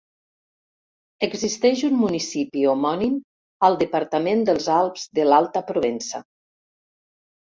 Existeix un municipi homònim al departament dels Alps de l'Alta Provença.